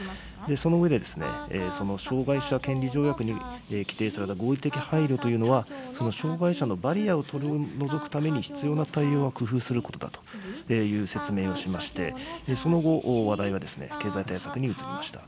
その上で、その障害者権利条約に規定された合理的配慮というのは、その障害者のバリアを取り除くために、必要な対応を工夫するという説明をしまして、その後、話題は経済対策に移りました。